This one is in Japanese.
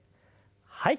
はい。